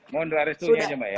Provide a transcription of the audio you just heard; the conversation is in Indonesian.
mohon berarisunya aja pak ya